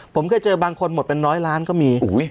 ผมเคยเจอบางคนหมดเป็นร้อยล้านก็มี